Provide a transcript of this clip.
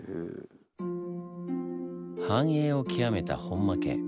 繁栄を極めた本間家。